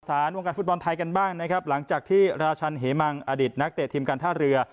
วงการฟุตบอลไทยกันบ้างนะครับหลังจากที่ราชันเหมังอดีตนักเตะทีมการท่าเรือ